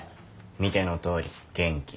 見てのとおり元気。